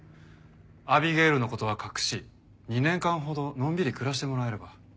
アビゲイルの事は隠し２年間ほどのんびり暮らしてもらえれば。